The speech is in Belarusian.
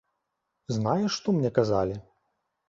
Знаеш, што мне казалі?